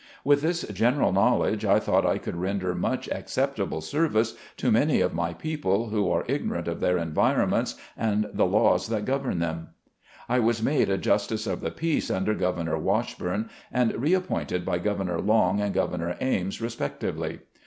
With this general knowledge I thought I could render much acceptable service to many of THE LAW 127 my people who are ignorant of their environments and the laws that govern them. I was made a Justice of the Peace, under Governor Washburn, and reappointed by Governor Long and Governor Ames, respectively.